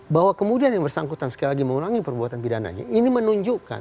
bahwa kemudian yang bersangkutan sekali lagi mengulangi perbuatan pidananya ini menunjukkan